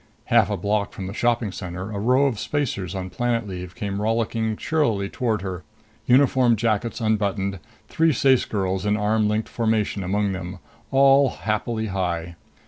Half a block from the shopping center, a row of spacers on planet leave came rollicking cheerily toward her, uniform jackets unbuttoned, three Ceyce girls in arm linked formation among them, all happily high.